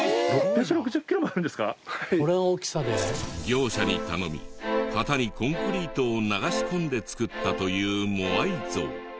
業者に頼み型にコンクリートを流し込んで作ったというモアイ像。